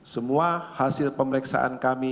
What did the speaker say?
semua hasil pemeriksaan kami